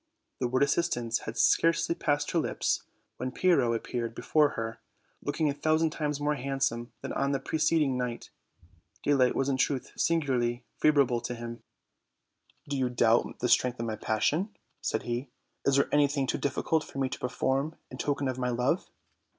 The word assistance had scarcely passed her lips, when Pyrrho appeared before her, looking a thousand times more handsome than on the preceding night. Daylight was in truth singularly favorable to him. "Do you doubt the strength of my passion?" said he; "is there anything too difficult for me to perform in token of my love?"